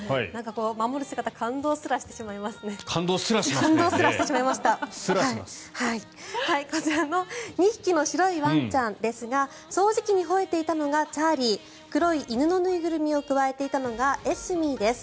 こちらの２匹の白いワンちゃんですが掃除機にほえていたのがチャーリー黒い犬の縫いぐるみをくわえていたのがエスミーです。